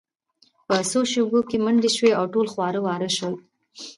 په څو شیبو کې منډې شوې او ټول خواره واره شول